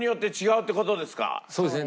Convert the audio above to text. そうですね。